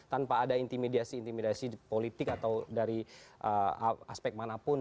tanpa ada intimidasi intimidasi politik atau dari aspek manapun